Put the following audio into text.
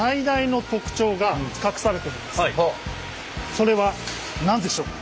それは何でしょうか？